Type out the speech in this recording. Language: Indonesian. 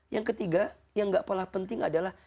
yang ketiga yang gak kalah penting adalah